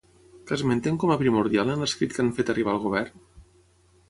Què esmenten com a primordial en l'escrit que han fet arribar al govern?